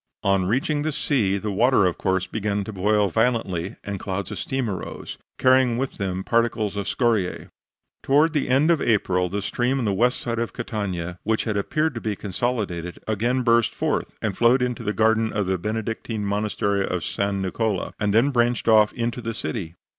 On reaching the sea the water, of course, began to boil violently, and clouds of steam arose, carrying with them particles of scoriae. Towards the end of April the stream on the west side of Catania, which had appeared to be consolidated, again burst forth, and flowed into the garden of the Benedictine Monastery of San Niccola, and then branched off into the city.